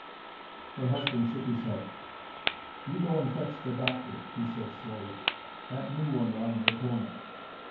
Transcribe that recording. Her husband shook his head. "You go and fetch the doctor," he said, slowly. "That new one round the corner."